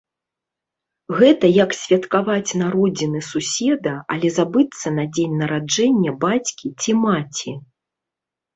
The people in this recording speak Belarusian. Гэта як святкаваць народзіны суседа, але забыцца на дзень нараджэння бацькі ці маці.